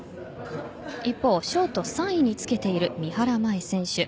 一方、ショート３位につけている三原舞依選手。